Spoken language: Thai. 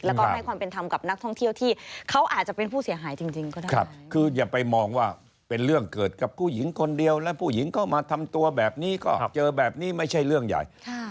แล้วก็ให้ความเป็นธรรมกับนักท่องเที่ยวที่เขาอาจจะเป็นผู้เสียหายจริงก็ได้คืออย่าไปมองว่าเป็นเรื่องเกิดกับผู้หญิงคนเดียวและผู้หญิงเข้ามาทำตัวแบบนี้ก็เจอแบบนี้ไม่ใช่เรื่องใหญ่